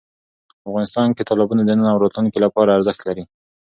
افغانستان کې تالابونه د نن او راتلونکي لپاره ارزښت لري.